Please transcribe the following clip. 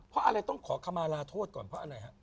เพราะอะไรต้องขอคำมาลาโทษก่อนเพราะอะไรฮะ